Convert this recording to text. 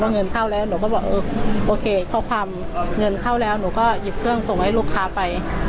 เงินเข้าแล้วหนูก็บอกเออโอเคข้อความเงินเข้าแล้วหนูก็หยิบเครื่องส่งให้ลูกค้าไป